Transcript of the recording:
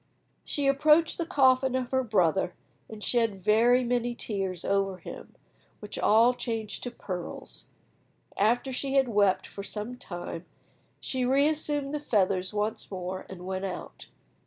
She approached the coffin of her brother, and shed very many tears over him, which all changed to pearls. After she had wept for some time, she reassumed the feathers once more, and went out.